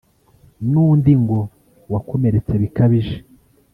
n’undi ngo wakomeretse bikabije